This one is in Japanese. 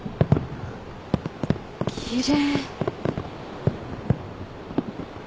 奇麗。